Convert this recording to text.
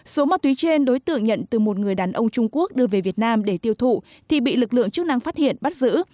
số ma túy trên đối tượng nhận từ một người đàn ông trung quốc đưa về việt nam để tiêu thụ thì bị lực lượng chức năng phát hiện bắt giữ